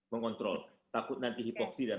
mengontrol takut nanti hipoksi dan